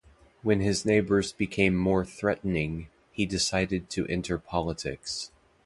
When his neighbors became more threatening, he decided to enter politics.